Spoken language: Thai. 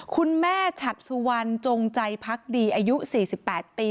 คุณแม่ฉัดสุวรรณจงใจพักดีอายุ๔๘ปี